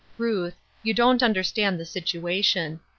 Ruth, you don't understand the situation.